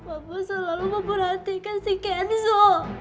bapak selalu memperhatikan si kenzo